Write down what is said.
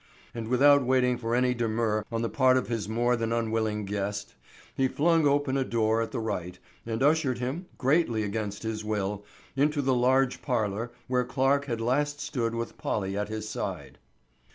And without waiting for any demur on the part of his more than unwilling guest, he flung open a door at the right, and ushered him, greatly against his will, into the large parlor where Clarke had last stood with Polly at his side.